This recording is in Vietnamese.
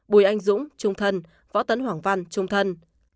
bùi anh dũng trung thân võ tấn hoàng văn trung thân